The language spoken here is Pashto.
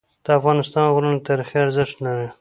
د افغانستان غرونه تاریخي ارزښت لري.